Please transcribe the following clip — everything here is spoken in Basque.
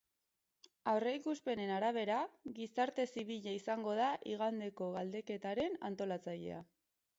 Aurreikuspenen arabera, gizarte zibila izango da igandeko galdeketaren antolatzailea.